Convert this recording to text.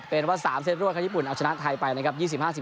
เป็นว่า๓เซตรวดครับญี่ปุ่นเอาชนะไทยไปนะครับ